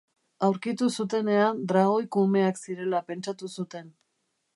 Aurkitu zutenean dragoi kumeak zirela pentsatu zuten.